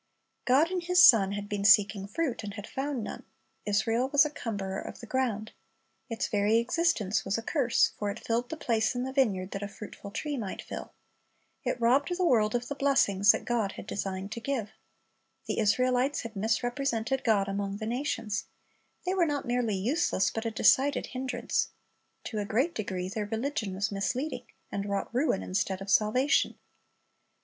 God in His Son had been seeking fruit, and had found none. Israel was a cumberer of the ground. Its very existence was a curse; for it filled the place in the vineyard that a fruitful tree might fill. It robbed the world of the blessings that God designed to give. The Israelites had misrepresented God among the nations. They were not merely useless, but a decided hindrance. To a great degree their religion was misleading, and wrought ruin instead of salvation.